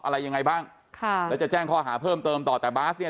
อะไรยังไงบ้างค่ะแล้วจะแจ้งข้อหาเพิ่มเติมต่อแต่บาสเนี่ย